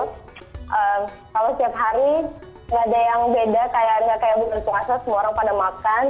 kalau setiap hari tidak ada yang beda kayaknya bukan puasa semua orang pada makan